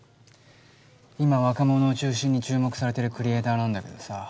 今若者を中心に注目されてるクリエーターなんだけどさ